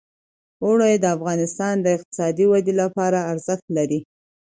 اوړي د افغانستان د اقتصادي ودې لپاره ارزښت لري.